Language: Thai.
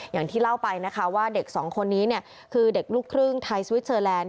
อย่างที่เล่าไปนะคะว่าเด็กสองคนนี้คือเด็กลูกครึ่งไทยสวิสเตอร์แลนด